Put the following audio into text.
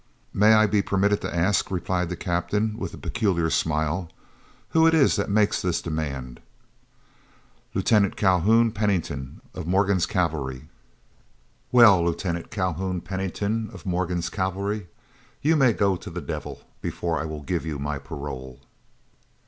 "May I be permitted to ask," replied the Captain, with a peculiar smile, "who it is that makes this demand?" "Lieutenant Calhoun Pennington of Morgan's cavalry." "Well, Lieutenant Calhoun Pennington of Morgan's cavalry, you may go to the devil, before I will give you my parole."